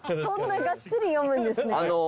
そんながっつり読むんですね。